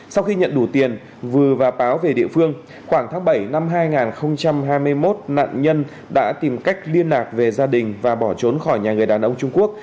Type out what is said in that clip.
sau khi nhận đủ tiền vừa và báo về địa phương khoảng tháng bảy năm hai nghìn hai mươi một nạn nhân đã tìm cách liên lạc về gia đình và bỏ trốn khỏi nhà người đàn ông trung quốc